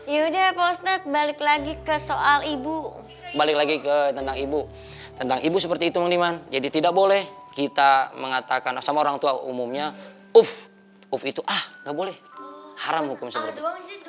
ya udah pak ustadz balik lagi ke soal ibu balik lagi ke tentang ibu tentang ibu seperti itu mandiman jadi tidak boleh kita mengatakan sama orang tua umumnya uff uff itu ah nggak boleh haram hukum sebenarnya